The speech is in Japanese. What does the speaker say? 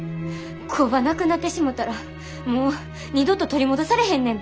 工場なくなってしもたらもう二度と取り戻されへんねんで。